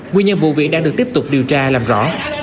nguyên nhân vụ việc đang được tiếp tục điều tra làm rõ